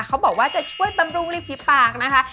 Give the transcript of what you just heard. เขาบอกว่าจะช่วยบำรุงริมฝีปากนะคะ